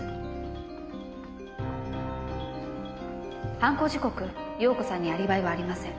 犯行時刻容子さんにアリバイはありません。